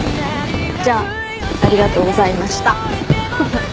じゃあありがとうございました。